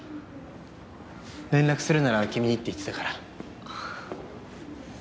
連絡するなら君にって言ってたから。